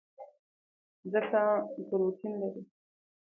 ځکه پروټین لري.